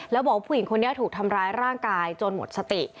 แล้วบอกว่าผู้หญิงคนนี้ถูกทำร้ายร่างกายจนหมดสติ